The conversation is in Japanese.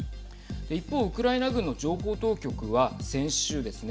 一方、ウクライナ軍の情報当局は先週ですね